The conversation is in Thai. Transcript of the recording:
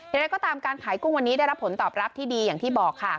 อย่างไรก็ตามการขายกุ้งวันนี้ได้รับผลตอบรับที่ดีอย่างที่บอกค่ะ